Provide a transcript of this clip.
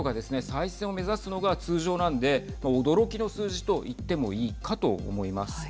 再選を目指すのが通常なので驚きの数字と言ってもいいかと思います。